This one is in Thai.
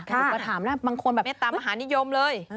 มาถามนะแม่ตามหานิยมเลย